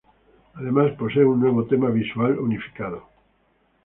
Además, posee un nuevo tema visual unificado.